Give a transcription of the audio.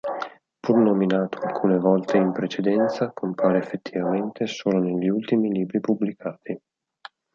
Pur nominato alcune volte in precedenza, compare effettivamente solo negli ultimi libri pubblicati.